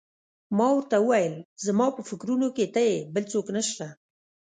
ما ورته وویل: زما په فکرونو کې ته یې، بل څوک نه شته.